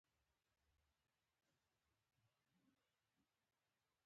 کې د هندي سبک پېروان دي،